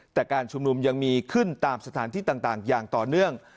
แต่การชุมนุมยังมีขึ้นตามสถานที่ต่างอย่างต่อเนื่อง